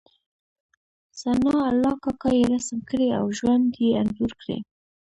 ثناء الله کاکا يې رسم کړی او ژوند یې انځور کړی.